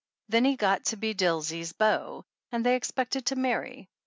Then he got to be Dilsey's beau and they expected to marry.